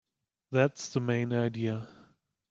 That's the main idea.